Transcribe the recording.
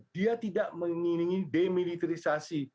dia tidak mengingini demilitarisasi